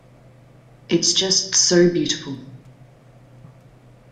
It's just so beautiful.